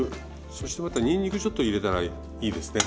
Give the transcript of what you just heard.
そしてまたにんにくちょっと入れたらいいですね。